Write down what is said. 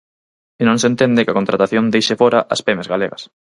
E non se entende que a contratación deixe fóra as pemes galegas.